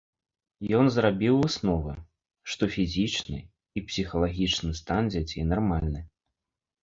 Ён зрабіў высновы, што фізічны і псіхалагічны стан дзяцей нармальны.